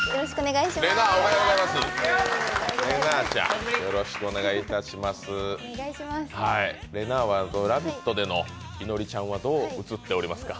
れなぁ、おはようございますれなぁは「ラヴィット！」でのいのりちゃんはどう映っておりますか？